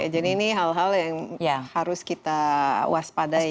jadi ini hal hal yang harus kita waspadai